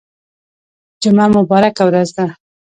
جمعه مبارکه ورځ ده